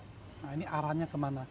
nah ini arahnya kemana